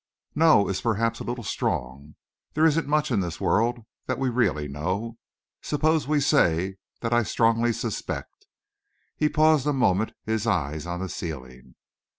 "'Know' is perhaps a little strong. There isn't much in this world that we really know. Suppose we say that I strongly suspect." He paused a moment, his eyes on the ceiling.